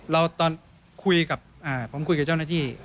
เราตอนคุยกับเพราะผมคุยกับเจ้าหน้าที่